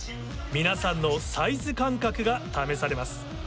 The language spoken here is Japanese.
皆さんのサイズ感覚が試されます。